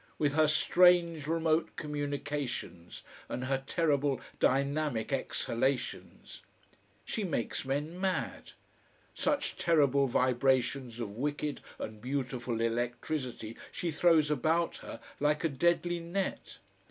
With her strange, remote communications and her terrible dynamic exhalations. She makes men mad. Such terrible vibrations of wicked and beautiful electricity she throws about her, like a deadly net!